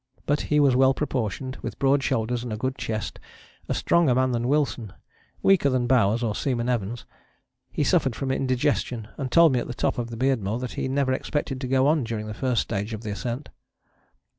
But he was well proportioned, with broad shoulders and a good chest, a stronger man than Wilson, weaker than Bowers or Seaman Evans. He suffered from indigestion, and told me at the top of the Beardmore that he never expected to go on during the first stage of the ascent.